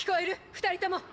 ２人とも！